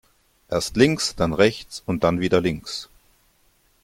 Erst links, dann rechts und dann wieder links.